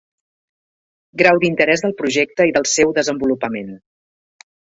Grau d'interès del projecte i del seu desenvolupament.